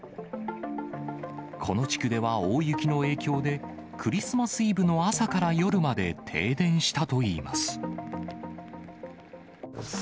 この地区では大雪の影響で、クリスマスイブの朝から夜まで停電したといいます。